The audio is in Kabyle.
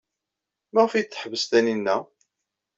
Maɣef ay d-teḥbes Taninna?